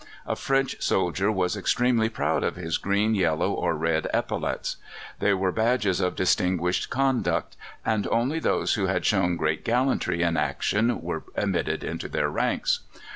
A French soldier was extremely proud of his green, yellow, or red epaulettes. They were badges of distinguished conduct and only those who had shown great gallantry in action were admitted into their ranks.